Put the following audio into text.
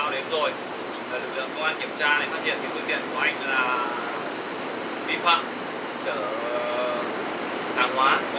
mình phát hiện cái phương tiện của anh là vi phạm chở năng hóa